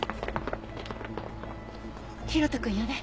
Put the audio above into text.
大翔くんよね？